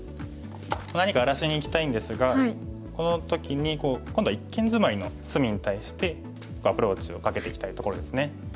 何か荒らしにいきたいんですがこの時に今度は一間ジマリの隅に対してアプローチをかけていきたいところですね。